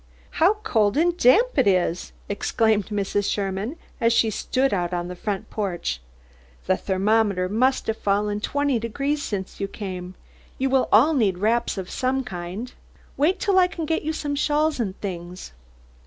"How cold and damp it is!" exclaimed Mrs. Sherman, as she stepped out on the front porch. "The thermometer must have fallen twenty degrees since you came. You will all need wraps of some kind. Wait till I can get you some shawls and things."